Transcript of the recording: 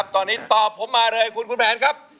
ตอนนี้ตอบผมมาเลยคุณคุณแผนครับ